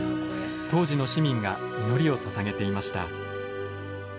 当時の市民が祈りをささげていました。